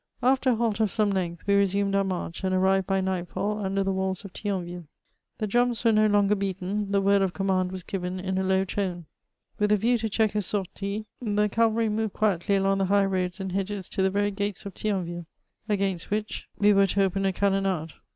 After a halt of some length, we resumed our march, and arrived by night fall under the walls of Thionville. The drums were no longer beaten ; the word of command was given in a low tone. With a view to check a sortie^ the cavalry moved quietly along the high roads and hedges to the very gates of Thionville, against which we were to open a CHATEAUBRIAND. 355 cannonade.